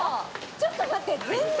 ちょっと待って全然。